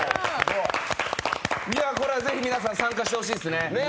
これはぜひ皆さん参加してほしいですね。